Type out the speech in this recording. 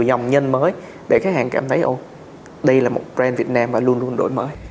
nhiều dòng nhân mới để khách hàng cảm thấy ồ đây là một brand việt nam và luôn luôn đổi mới